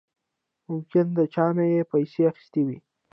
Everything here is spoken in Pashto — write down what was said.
ممکن د چانه يې پيسې اخېستې وي.